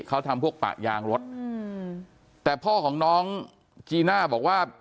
เขาทำพวกปะยางรถอืมแต่พ่อของน้องจีน่าบอกว่า